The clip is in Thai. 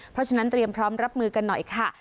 เพราะฉะนั้นเตรียมพร้อมรับมือกันหน่อยค่ะ